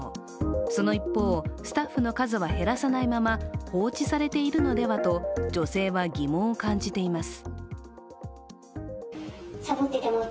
その一方、スタッフの数は減らさないまま放置されているのではと女性は疑問を感じています。